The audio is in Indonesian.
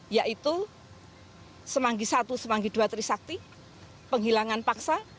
yaitu semanggi i semanggi ii trisakti penghilangan paksa